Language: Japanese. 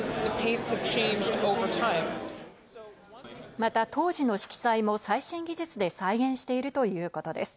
また当時の色彩も最新技術で再現しているということです。